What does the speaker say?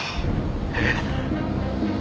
えっ！？